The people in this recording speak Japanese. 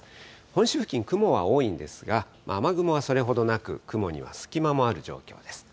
本州付近、雲は多いんですが、雨雲はそれほどなく、雲には隙間もある状況です。